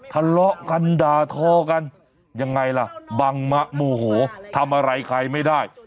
ทะเลาะกันด่าทอกันยังไงล่ะบังมะโมโหทำอะไรใครไม่ได้